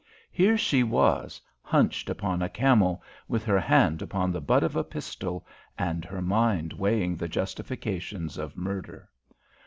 Here she was, hunched upon a camel, with her hand upon the butt of a pistol, and her mind weighing the justifications of murder.